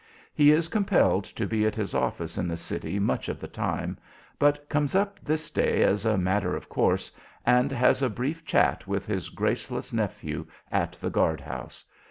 He is compelled to be at his office in the city much of the time, but comes up this day as a matter of course, and has a brief chat with his graceless nephew at the guard house.